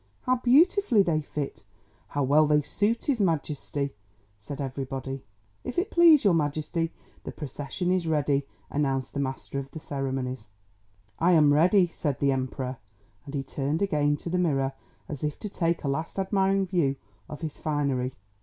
"How beautifully they fit! How well they suit his Majesty!" said everybody. "If it please your Majesty, the procession is ready," announced the Master of the Ceremonies. "I am ready," said the Emperor. And he turned again to the mirror as if to take a last admiring view of his finery.